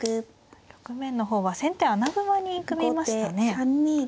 局面の方は先手穴熊に組みましたね。